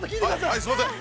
◆はい、すいません！